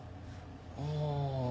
ああ